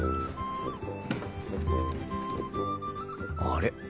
あれ？